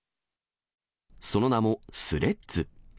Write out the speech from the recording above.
その名も、スレッズ。